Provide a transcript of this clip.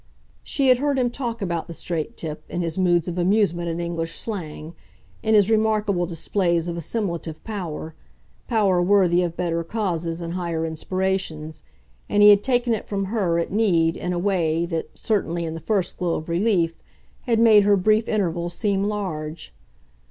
She had heard him talk about the straight tip, in his moods of amusement at English slang, in his remarkable displays of assimilative power, power worthy of better causes and higher inspirations; and he had taken it from her, at need, in a way that, certainly in the first glow of relief, had made her brief interval seem large.